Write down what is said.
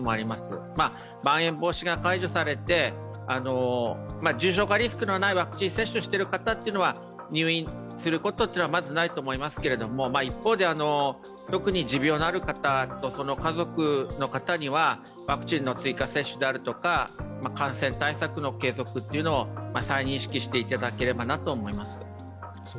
まん延防止が解除されて重症化リスクのない、ワクチン接種している方というのは入院することはまずないと思いますけれども、一方で特に持病のある方とその家族の方にはワクチンの追加接種であるとか感染対策の継続を再認識していただければなと思います。